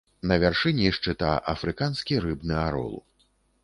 На вяршыні шчыта афрыканскі рыбны арол.